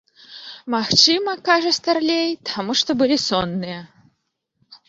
Магчыма, кажа старлей, таму што былі сонныя.